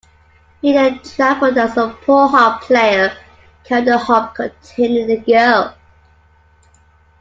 He then traveled as a poor harp player carrying the harp containing the girl.